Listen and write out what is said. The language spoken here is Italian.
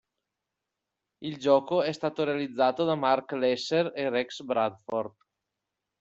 Il gioco è stato realizzato da Mark Lesser e Rex Bradford.